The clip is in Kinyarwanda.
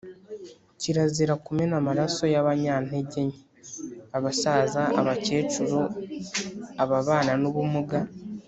kirazira kumena amaraso y’abanyantegenke; abasaza, abakecuru, ababana n’ubumuga.